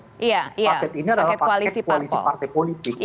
paket ini adalah paket koalisi partai politik